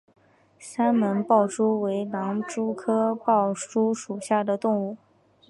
三门豹蛛为狼蛛科豹蛛属的动物。